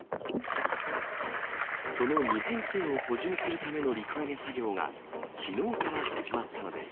その２編成を補充するための陸揚げ作業が、きのうから始まったのです。